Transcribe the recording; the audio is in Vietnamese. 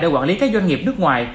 để quản lý các doanh nghiệp nước ngoài